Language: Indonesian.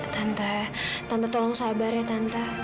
tante tante tolong sabar ya tante